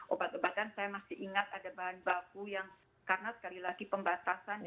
obat obatan saya masih ingat ada bahan baku yang karena sekali lagi pembatasan